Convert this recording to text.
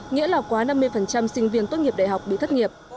nghĩa là quá năm mươi sinh viên tốt nghiệp đại học bị thất nghiệp